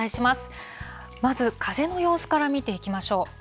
まず風の様子から見ていきましょう。